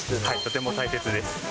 はい、とても大切です。